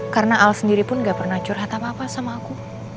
karena al sendiri pun gak pernah curhat apa apa sama aku